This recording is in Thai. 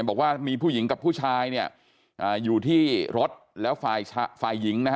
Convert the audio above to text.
บอกว่ามีผู้หญิงกับผู้ชายอยู่ที่รถแล้วฝ่ายหญิง